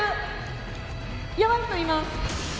やばい人います！